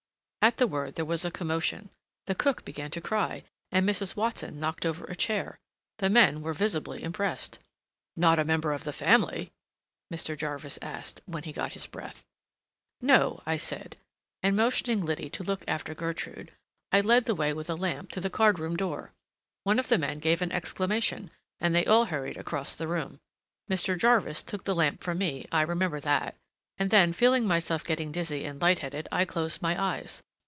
At the word there was a commotion. The cook began to cry, and Mrs. Watson knocked over a chair. The men were visibly impressed. "Not any member of the family?" Mr. Jarvis asked, when he had got his breath. "No," I said; and motioning Liddy to look after Gertrude, I led the way with a lamp to the card room door. One of the men gave an exclamation, and they all hurried across the room. Mr. Jarvis took the lamp from me—I remember that—and then, feeling myself getting dizzy and light headed, I closed my eyes.